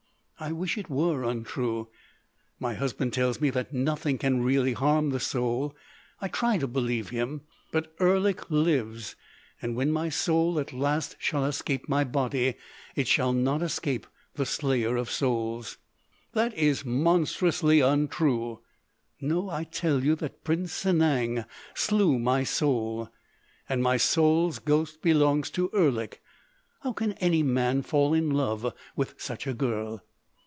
"I wish it were untrue.... My husband tells me that nothing can really harm the soul. I try to believe him.... But Erlik lives. And when my soul at last shall escape my body, it shall not escape the Slayer of Souls." "That is monstrously untrue——" "No. I tell you that Prince Sanang slew my soul. And my soul's ghost belongs to Erlik. How can any man fall in love with such a girl?"